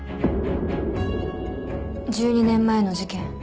１２年前の事件